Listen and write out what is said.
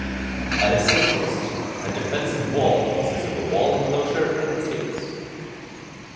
At its simplest, a defensive wall consists of a wall enclosure and its gates.